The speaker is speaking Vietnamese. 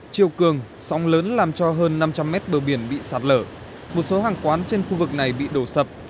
triều cường sóng lớn làm cho hơn năm trăm linh m bờ biển bị sạt lở một số hàng quán trên khu vực này bị đổ sập